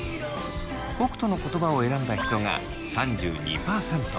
北斗の言葉を選んだ人が３２％。